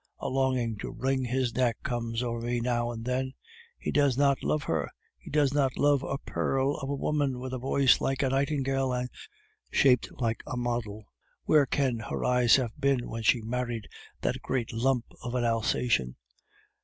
A longing to wring his neck comes over me now and then. He does not love her! does not love a pearl of a woman, with a voice like a nightingale and shaped like a model. Where can her eyes have been when she married that great lump of an Alsatian?